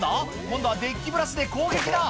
今度はデッキブラシで攻撃だ